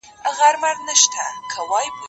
که وخت وي خواړه ورکوم